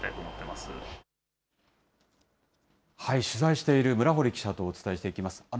取材している村堀記者とお伝えしていきます。